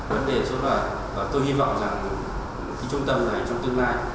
vấn đề số là tôi hy vọng rằng cái trung tâm này trong tương lai